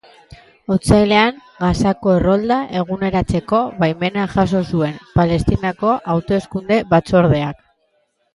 Otsailean, Gazako errolda eguneratzeko baimena jaso zuen Palestinako Hauteskunde Batzordeak.